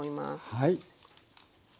はい。